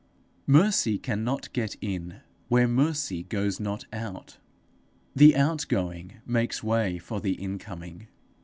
Mercy cannot get in where mercy goes not out. The outgoing makes way for the incoming.